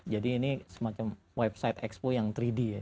jadi ini semacam website expo yang tiga d ya